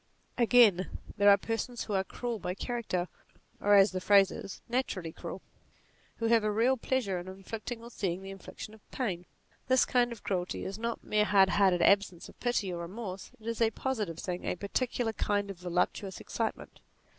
Again, there are persons who are cruel by character, or, as the phrase is, naturally cruel ; who have a real pleasure in inflicting, or seeing the infliction of pain. This kind of cruelty is not mere hardheartedness, absence of pity or re morse ; it is a positive thing ; a particular kind of voluptuous excitement.